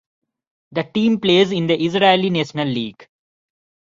The team plays in the Israeli National League.